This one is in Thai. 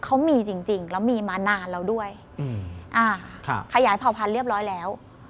เขามีจริงแล้วมีมานานแล้วด้วยขยายเผ่าพันธุ์เรียบร้อยแล้ว